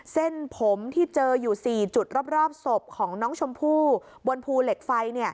เส้นผมที่เจออยู่๔จุดรอบศพของน้องชมพู่บนภูเหล็กไฟ